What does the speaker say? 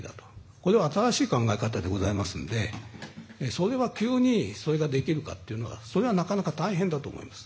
これは新しい考え方でございますので急にそれができるかというのはそれはなかなか大変だと思います。